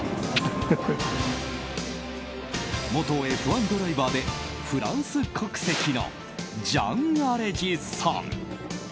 元Ｆ１ドライバーでフランス国籍のジャン・アレジさん。